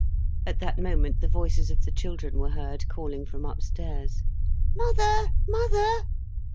At that moment the voices of the children were heard calling from upstairs: "Mother! Mother!"